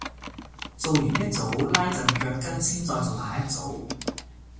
做完一組拉陣腳筋先再做下一組